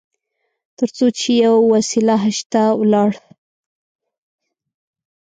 تر څو چې په یوه وسیله حج ته ولاړ.